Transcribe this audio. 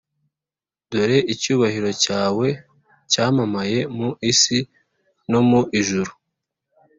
Dore icyubahiro cyawe cyamamaye mu isi no mu ijuru